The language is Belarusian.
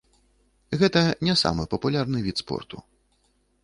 Гэта не самы папулярны від спорту.